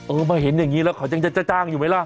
มาเห็นอย่างนี้แล้วเขายังจะจ้างอยู่ไหมล่ะ